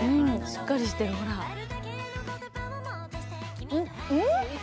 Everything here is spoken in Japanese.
しっかりしてるほらうんうん！